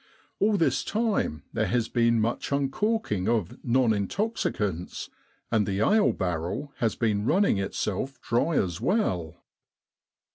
All this time there has been much uncorking of non intoxicants, and the ale barrel has been running itself dry as well.